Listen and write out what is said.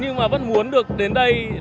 nhưng mà vẫn muốn được đến đây